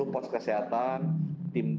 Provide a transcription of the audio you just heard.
pos kesehatan tim